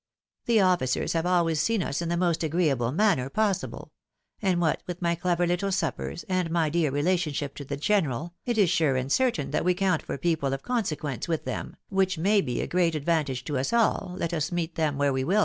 The officers have always seen us in the most agreeable manner possible — and what with my clever httle suppers, and my dear relationship to the general, it is sure and certain that we count for people of consequence with them, which may be a great advantage to us all, let us meet them where we wiU."